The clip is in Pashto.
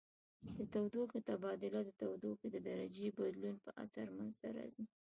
د تودوخې تبادل د تودوخې د درجې بدلون په اثر منځ ته راځي.